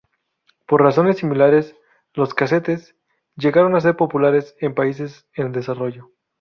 Por razones similares, los casetes llegaron a ser populares en países en desarrollo.